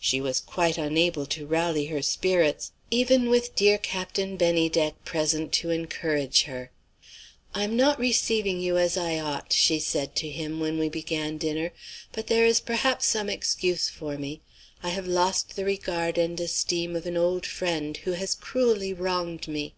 She was quite unable to rally her spirits, even with dear Captain Bennydeck present to encourage her. "'I am not receiving you as I ought,' she said to him, when we began dinner, 'but there is perhaps some excuse for me. I have lost the regard and esteem of an old friend, who has cruelly wronged me.